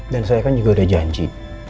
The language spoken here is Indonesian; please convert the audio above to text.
dan saya kan juga udah janji